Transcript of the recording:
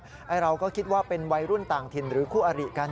เราก็คิดว่าเป็นวัยรุ่นต่างถิ่นหรือคู่อริกัน